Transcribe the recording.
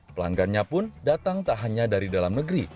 pelanggannya pun datang tak hanya dari dalam negeri